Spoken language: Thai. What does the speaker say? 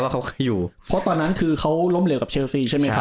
เขาก็อยู่เพราะตอนนั้นคือเขาล้มเหลวกับเชลซีใช่ไหมครับ